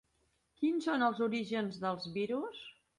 Quins són els orígens dels virus?